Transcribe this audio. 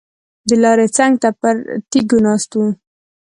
د لارې څنګ ته پر تیږو ناست وو.